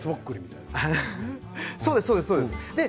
そうです、そうです。